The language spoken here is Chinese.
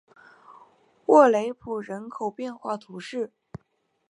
沃雷普人口变化图示